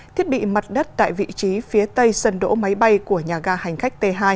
thiết bị mặt đất tại vị trí phía tây sân đỗ máy bay của nhà ga hành khách t hai